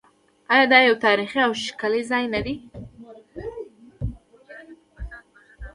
آیا دا یو تاریخي او ښکلی ځای نه دی؟